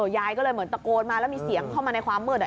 ยายก็เลยเหมือนตะโกนมาแล้วมีเสียงเข้ามาในความมืด